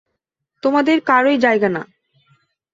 তোমাদের কারোরই জায়গা না।